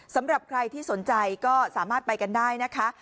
สำหรับใครที่สนใจก็สามารถไปกันได้นะคะ